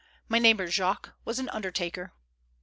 My neighbor Jacques was an undertaker.